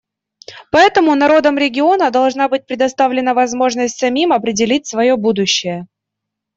Поэтому народам региона должна быть предоставлена возможность самим определить свое будущее.